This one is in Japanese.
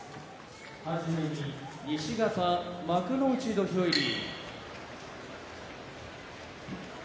はじめに西方幕内土俵入り。